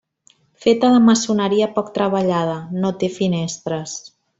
Feta de maçoneria poc treballada, no té finestres.